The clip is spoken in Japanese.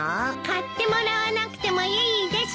買ってもらわなくてもいいです。